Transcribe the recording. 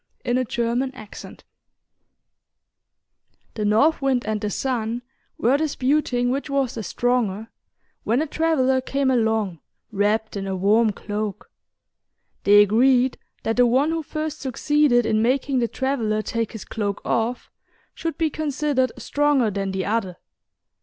Orthographic version The North Wind and the Sun were disputing which was the stronger, when a traveler came along wrapped in a warm cloak. They agreed that the one who first succeeded in making the traveler take his cloak off should be considered stronger than the other.